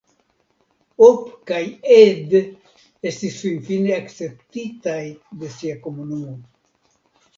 Op kaj Ed estis finfine akceptitaj de sia komunumo.